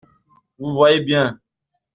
Vous voyez bien.